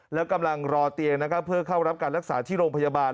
แล้วกำลังรอเตียงนะครับเพื่อเข้ารับการรักษาที่โรงพยาบาล